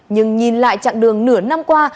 nhưng nhìn lại chặng đường nửa năm qua